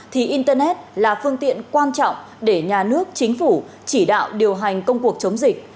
thì internet là phương tiện quan trọng để nhà nước chính phủ chỉ đạo điều hành công cuộc chống dịch